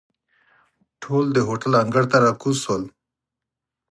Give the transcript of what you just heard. ټول د هوټل انګړ ته را کوز شول.